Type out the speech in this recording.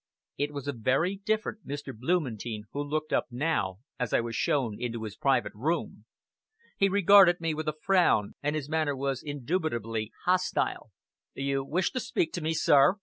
It was a very different Mr. Blumentein who looked up now, as I was shown into his private room. He regarded me with a frown, and his manner was indubitably hostile. "You wish to speak to me, sir?"